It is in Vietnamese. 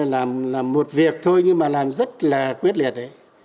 làm là một việc thôi nhưng mà làm rất là quyết liệt đấy